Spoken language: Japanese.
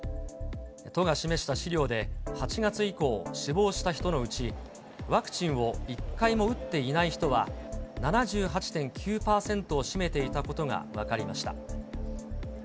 都が示した資料で、８月以降死亡した人のうち、ワクチンを１回も打っていない人は７８．９％を占めていたことが分かりました。